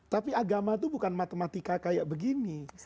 tapi agama itu bukan matematika kayak begini